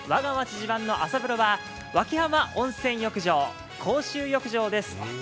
自慢の朝風呂は脇浜温泉浴場、公衆浴場です。